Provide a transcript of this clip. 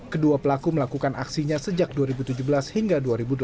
kedua pelaku melakukan aksinya sejak dua ribu tujuh belas hingga dua ribu delapan belas